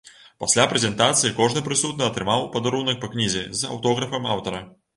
Пасля прэзентацыі кожны прысутны атрымаў у падарунак па кнізе з аўтографам аўтара.